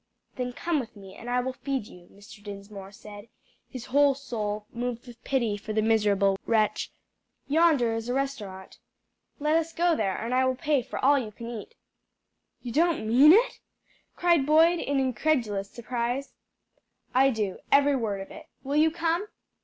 "Then come with me and I will feed you," Mr. Dinsmore said, his whole soul moved with pity for the miserable wretch. "Yonder is a restaurant; let us go there, and I will pay for all you can eat." "You don't mean it?" cried Boyd in incredulous surprise. "I do; every word of it. Will you come?"